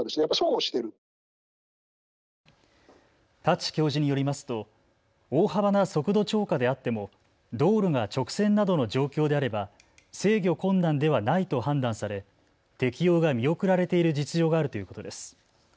城教授によりますと大幅な速度超過であっても道路が直線などの状況であれば制御困難ではないと判断され適用が見送られている実情があるということです。